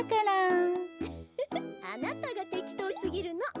ウッフフあなたがてきとうすぎるの。